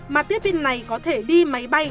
mà tiếp viên này có thể đi máy bay